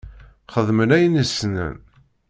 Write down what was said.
Xedmen ayen i ssnen.